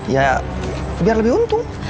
ya biar lebih untung